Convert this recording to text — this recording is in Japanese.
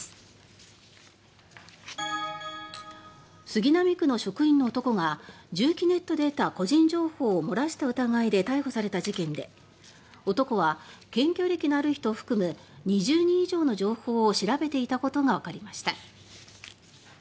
杉並区の職員の男が住基ネットで得た個人情報を漏らした疑いで逮捕された事件で男は検挙歴のある人を含む２０人以上の情報を調べていたことがわかりました。